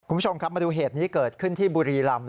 คุณผู้ชมครับมาดูเหตุนี้เกิดขึ้นที่บุรีรำ